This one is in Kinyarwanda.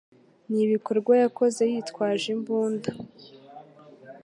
Ni ibikorwa yakoze yitwaje imbunda